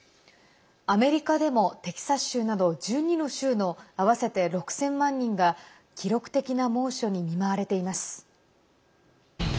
アメリカでもテキサス州など１２の州の合わせて６０００万人が記録的な猛暑に見舞われています。